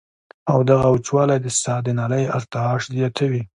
او دغه وچوالی د ساه د نالۍ ارتعاش زياتوي